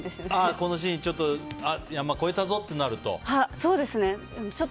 このシーン山を越えたぞとか思うと？